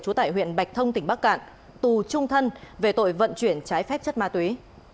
trú tại huyện bạch thông tỉnh bắc cạn tù trung thân về tội vận chuyển trái phép chất ma túy